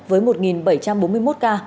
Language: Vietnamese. với một bảy trăm bốn mươi một ca